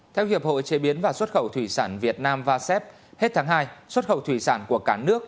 theo hiệp hội chế biến và xuất khẩu thủy sản việt nam vasep hết tháng hai xuất khẩu thủy sản của cả nước